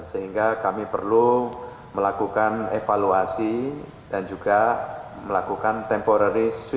sehingga kami perlu melakukan evaluasi dan juga melakukan temporary